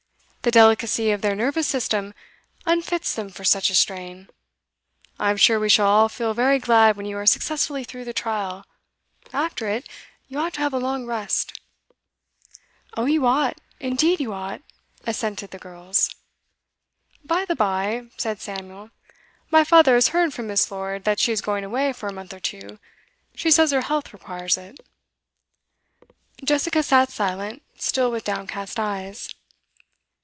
The delicacy of their nervous system unfits them for such a strain. I'm sure we shall all feel very glad when you are successfully through the trial. After it, you ought to have a long rest.' 'Oh, you ought indeed you ought,' assented the girls. 'By the bye,' said Samuel, 'my father has heard from Miss. Lord that she is going away for a month or two. She says her health requires it.' Jessica sat silent, still with downcast eyes.